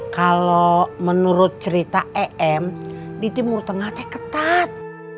kalau menurut cerita em di timur tengah teh ketat